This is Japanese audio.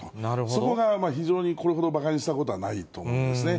そこが、非常にこれほどばかにしたことはないと思いますね。